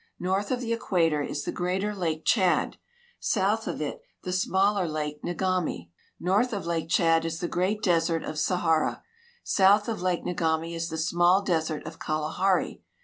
North of the equator is the greater lake Chad, south of it the smaller lake Ngami ; north of lake Chad is the great desert of Sahara ; south of lake Ngami is the small desert of Kalahari.